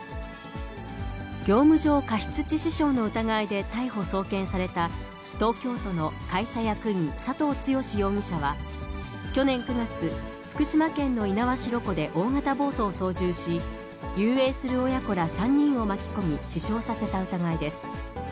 業務上過失致死傷の疑いで逮捕・送検された、東京都の会社役員、佐藤剛容疑者は、去年９月、福島県の猪苗代湖で大型ボートを操縦し、遊泳する親子ら３人を巻き込み死傷させた疑いです。